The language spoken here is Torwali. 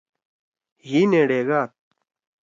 حی نے ڈے گاد۔